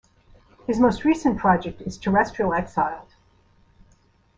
His most recent project is Terrestrial Exiled.